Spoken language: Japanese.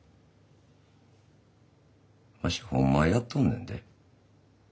わしほんまはやっとんねんで。